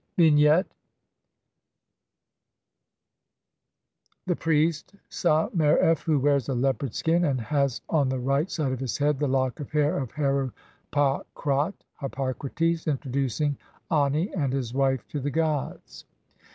Vignette : (Lower register : The priest Sa mer f, who wears a leopard's skin, and has on the right side of his head the lock of hair of Heru pa khrat (Harpocrates), introducing Ani and his wife to the gods.